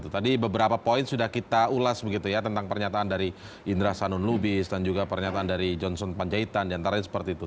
tadi beberapa poin sudah kita ulas begitu ya tentang pernyataan dari indra sanun lubis dan juga pernyataan dari johnson panjaitan diantaranya seperti itu